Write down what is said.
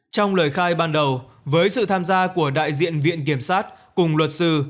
trong lời khai ban đầu với sự tham gia của đại diện viện kiểm sát cùng luật sư